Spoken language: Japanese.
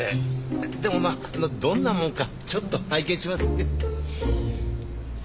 でもまあどんなもんかちょっと拝見します。